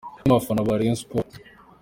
Umwe mu bafana ba Rayon Sports.